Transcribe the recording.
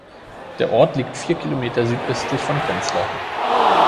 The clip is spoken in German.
Der Ort liegt vier Kilometer südöstlich von Prenzlau.